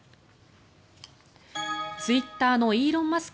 ツイッターのイーロン・マスク